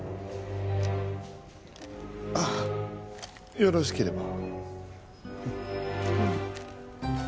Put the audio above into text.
あっよろしければ。